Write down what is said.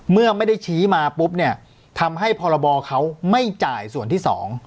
เมื่อไม่ได้ชี้มาปุ๊บเนี่ยทำให้พรบเขาไม่จ่ายส่วนที่๒